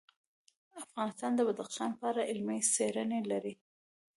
افغانستان د بدخشان په اړه علمي څېړنې لري.